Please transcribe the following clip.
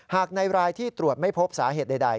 ในรายที่ตรวจไม่พบสาเหตุใด